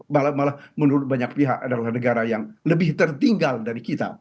malah malah menurut banyak pihak adalah negara yang lebih tertinggal dari kita